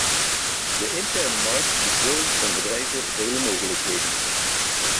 De interne markt biedt burgers en bedrijven vele mogelijkheden.